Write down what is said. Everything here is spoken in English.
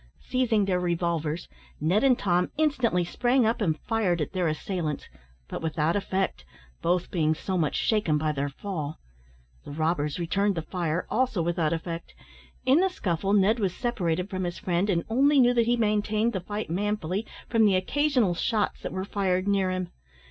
Seizing their revolvers, Ned and Tom instantly sprang up, and fired at their assailants, but without effect, both being so much shaken by their fall. The robbers returned the fire, also without effect. In the scuffle, Ned was separated from his friend, and only knew that he maintained the fight manfully, from the occasional shots that were fired near him.